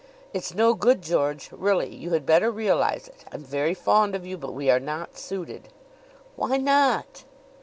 "It's no good, George. Really, you had better realize it. I'm very fond of you, but we are not suited!" "Why not?"